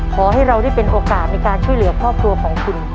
ขอให้เราได้เป็นโอกาสในการช่วยเหลือครอบครัวของคุณ